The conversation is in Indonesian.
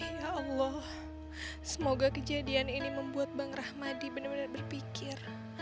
ya allah semoga kejadian ini membuat bang rahmadi benar benar berpikir